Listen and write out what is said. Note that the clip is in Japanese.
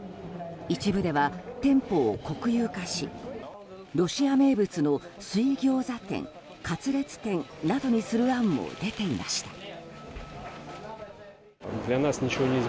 一部では店舗を国有化しロシア名物の水餃子店カツレツ店などにする案も出ていました。